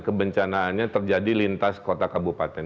kebencanaannya terjadi lintas kota kabupaten